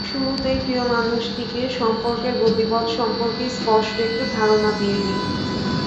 শুরুতেই প্রিয় মানুষটিকে সম্পর্কের গতিপথ সম্পর্কে স্পষ্ট একটি ধারণা দিয়ে দিন।